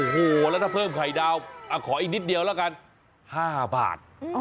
โอ้โหแล้วถ้าเพิ่มไข่ดาวขออีกนิดเดียวแล้วกัน๕บาท